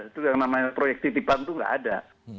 itu yang namanya proyek titipan itu nggak ada